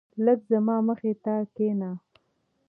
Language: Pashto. لږ زما مخی ته کينه